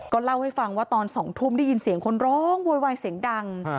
เล่าให้ฟังว่าตอน๒ทุ่มได้ยินเสียงคนร้องโวยวายเสียงดัง